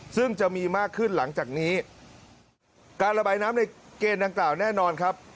ซึ่งจะมีมากขึ้นหลังจากนี้การระบายน้ำในเกณฑ์ดังกล่าวแน่นอนครับ